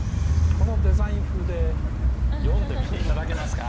このデザインで読んでみていただけますか？